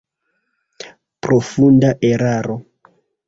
Profunda eraro!